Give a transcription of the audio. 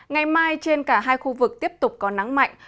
ngày mai trên cả hai khu vực tiếp tục có nắng mạnh